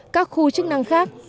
các khu chức năng khác